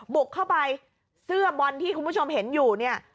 บุกเข้าไปเสื้อบอลที่คุณผู้ชมเห็นอยู่เนี่ย